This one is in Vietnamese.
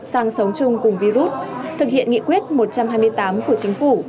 sang sống chung cùng virus thực hiện nghị quyết một trăm hai mươi tám của chính phủ